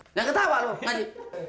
jangan ketawa lu ngaji